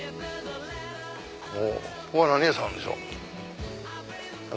ここは何屋さんでしょう？